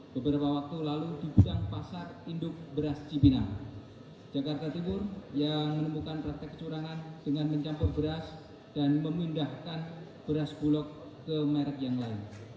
beberapa waktu lalu di gudang pasar induk beras cipinang jakarta timur yang menemukan praktek kecurangan dengan mencampur beras dan memindahkan beras bulog ke merek yang lain